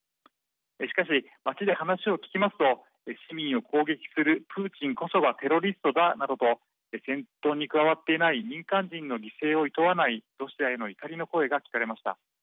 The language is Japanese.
しかし、街で話を聞きますと市民を攻撃するプーチンこそがテロリストだなどと戦闘に加わっていない民間人の犠牲をいとわないロシアへの怒りの声が聞かれました。